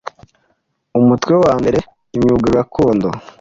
Umutwe wa mbere: Imyuga gakondo